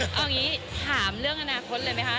เอาอย่างนี้ถามเรื่องอนาคตเลยไหมคะ